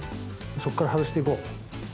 そっから外して行こう。